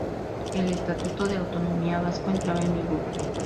El Estatuto de Autonomía Vasco entraba en vigor.